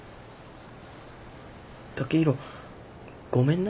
剛洋ごめんな。